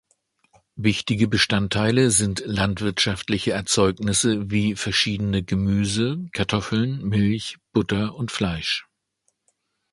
Wichtige Bestandteile sind landwirtschaftliche Erzeugnisse wie verschiedene Gemüse, Kartoffeln, Milch, Butter und Fleisch.